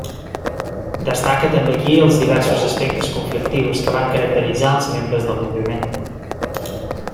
Destaca també aquí els diversos aspectes conflictius que van caracteritzar als membres del moviment.